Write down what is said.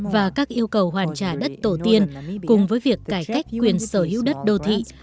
và các yêu cầu hoàn trả đất tổ tiên cùng với việc cải cách quyền sở hữu đất đô thị